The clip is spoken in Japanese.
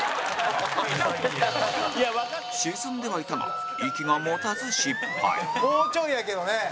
沈んではいたが息が持たず失敗蛍原：もうちょいやけどね。